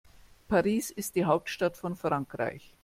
Paris ist die Hauptstadt von Frankreich.